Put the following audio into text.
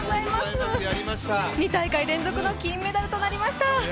２大会連続の金メダルとなりました！